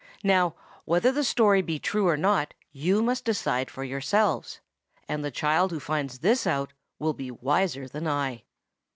Now, whether the story be true or not you must decide for yourselves; and the child who finds this out will be wiser than I.